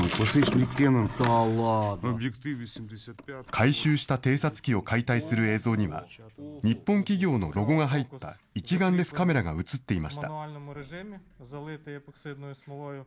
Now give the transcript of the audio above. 回収した偵察機を解体する映像には、日本企業のロゴが入った一眼レフカメラが写っていました。